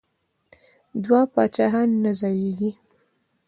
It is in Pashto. دوه پاچاهان نه ځاییږي.